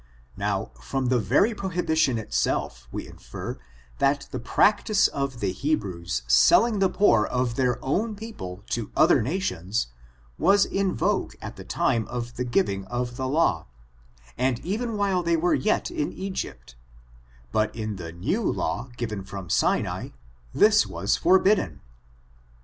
^ Now, from the very prohibition itself we infer that the practice of the Hebrews selling the poor of their own people to other nations, was in vogue at the time of the giving of the law, and even while they were yet in Egypt ; but in the new law given from I Sinai, this was forbidden.